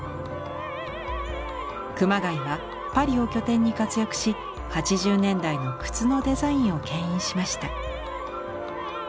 熊谷はパリを拠点に活躍し８０年代の靴のデザインをけん引しました。